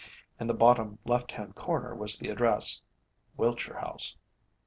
In the bottom left hand corner was the address, "Wiltshire House."